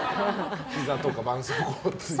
ひざとか、ばんそうこうついて。